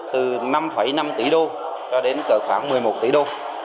từ năm năm tỷ đô cho đến khoảng một mươi một tỷ đô